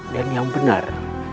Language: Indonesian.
dan yang benar